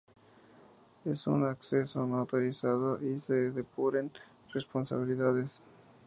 un acceso no autorizado y que se depuren responsabilidades